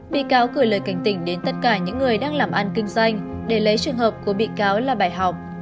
bị cáo gửi lời cảnh tỉnh đến tất cả những người đang làm ăn kinh doanh để lấy trường hợp của bị cáo là bài học